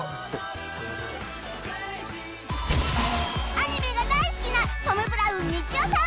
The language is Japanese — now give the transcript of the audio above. アニメが大好きなトム・ブラウンみちおさん